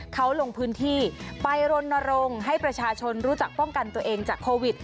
เขาลงพื้นที่ไปรณรงค์ให้ประชาชนรู้จักป้องกันตัวเองจากโควิด